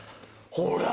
ほら！